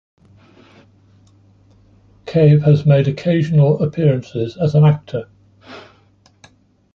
Cave has made occasional appearances as an actor.